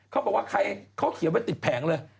เขาบอกว่าเขาเขียนไว้ติดแผงเลย